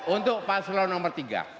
untuk pasangan nomor tiga